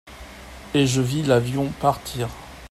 et je vis l'avion partir.